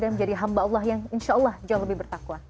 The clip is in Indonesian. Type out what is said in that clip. dan menjadi hamba allah yang insya allah jauh lebih bertakwa